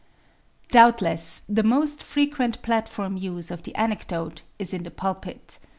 Doubtless the most frequent platform use of the anecdote is in the pulpit.